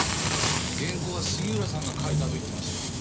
原稿は杉浦さんが書いたと言ってました。